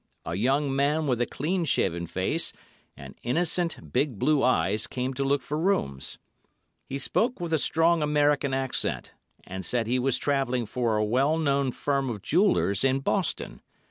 A young man with a clean shaven face, and innocent, big blue eyes came to look for rooms. He spoke with a strong American accent, and said he was travelling for a well known firm of jewellers in Boston.